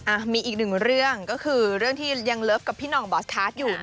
มีอีกหนึ่งเรื่องก็คือเรื่องที่ยังเลิฟกับพี่หน่องบอสคาร์ดอยู่